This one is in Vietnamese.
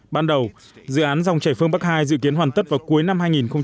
ban đầu dự án dòng chảy phương bắc hai dự kiến hoàn tất vào cuối năm hai nghìn hai mươi